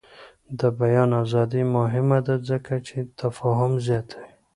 د بیان ازادي مهمه ده ځکه چې تفاهم زیاتوي.